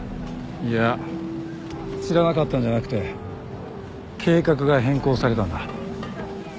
いや知らなかったんじゃなくて計画が変更されたんだ。